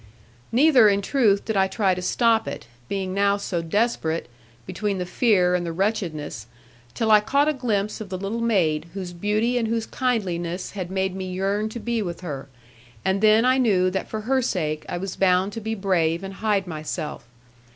Neither in truth did I try to stop it, being now so desperate, between the fear and the wretchedness; till I caught a glimpse of the little maid, whose beauty and whose kindliness had made me yearn to be with her. And then I knew that for her sake I was bound to be brave and hide myself.